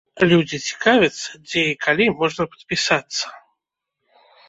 Людзі цікавяцца, дзе і калі можна падпісацца.